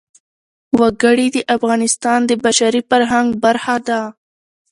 وګړي د افغانستان د بشري فرهنګ برخه ده.